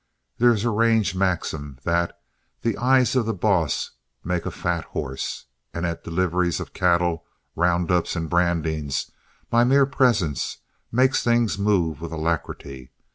There is a range maxim that "the eyes of the boss make a fat horse," and at deliveries of cattle, rounds ups, and branding, my mere presence makes things move with alacrity.